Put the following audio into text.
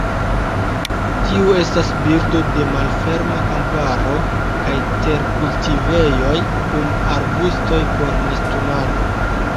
Tiu estas birdo de malferma kamparo kaj terkultivejoj, kun arbustoj por nestumado.